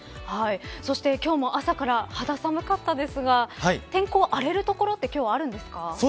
そして、今日も朝から肌寒かったですが天候が荒れる所は今日はあるんですか。